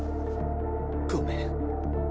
ごめん。